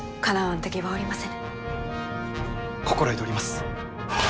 心得ております！